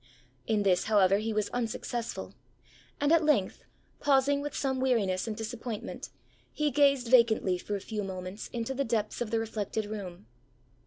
In this, however, he was unsuccessful; and, at length, pausing with some weariness and disappointment, he gazed vacantly for a few moments into the depth of the reflected room.